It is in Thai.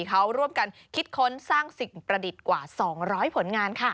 เขาร่วมกันคิดค้นสร้างสิ่งประดิษฐ์กว่า๒๐๐ผลงานค่ะ